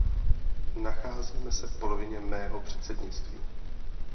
Nacházíme se v polovině mého předsednictví.